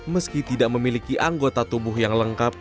meski tidak memiliki anggota tubuh yang lengkap